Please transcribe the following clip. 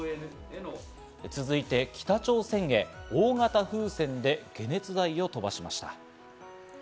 続いて、北朝鮮へ大型風船で解熱剤を飛ばしました。